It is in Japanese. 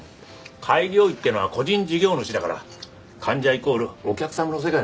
開業医ってのは個人事業主だから「患者イコールお客さん」の世界なんだよ。